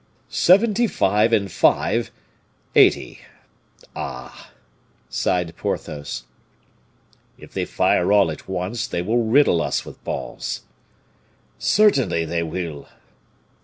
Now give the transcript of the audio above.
"Seventy five and five, eighty. Ah!" sighed Porthos. "If they fire all at once they will riddle us with balls." "Certainly they will."